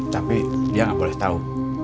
tapi dia nggak boleh tahu